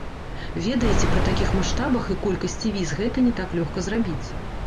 Ведаеце, пры такіх маштабах і колькасці віз гэта не так лёгка зрабіць.